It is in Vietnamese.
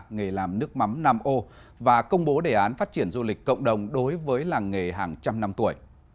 nghề làm nước mắm nam âu và công bố đề án phát triển du lịch cộng đồng đối với làng nghề hàng trăm năm tuổi